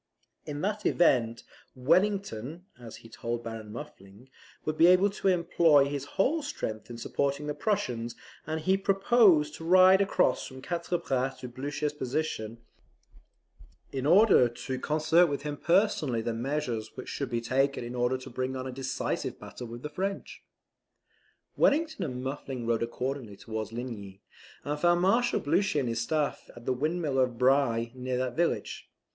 In that event Wellington, as he told Baron Muffling, would be able to employ his whole strength in supporting the Prussians: and he proposed to ride across from Quatre Bras to Blucher's position, in order to concert with him personally the measures which should be taken in order to bring on a decisive battle with the French. Wellington and Muffling rode accordingly towards Ligny, and found Marshal Blucher and his staff at the windmill of Bry, near that village.